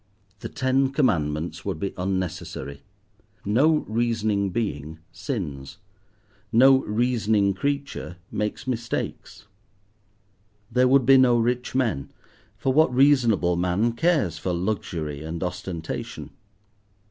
The Ten Commandments would be unnecessary: no reasoning being sins, no reasoning creature makes mistakes. There would be no rich men, for what reasonable man cares for luxury and ostentation?